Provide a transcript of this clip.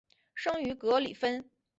生于格里芬。